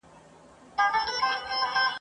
ونه یم د پاڼ پر سر کږه یمه نړېږمه ..